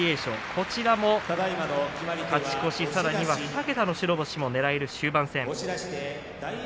こちらも勝ち越しさらには２桁の白星もねらえる終盤戦。